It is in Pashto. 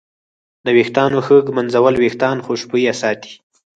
د ویښتانو ښه ږمنځول وېښتان خوشبویه ساتي.